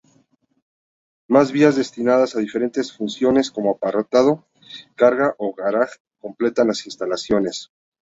Más vías destinadas a diferentes funciones como apartado, carga o garaje completan las instalaciones.